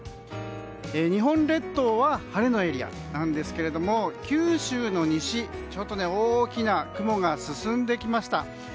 日本列島は、晴れのエリアですが九州の西、ちょっと大きな雲が進んできました。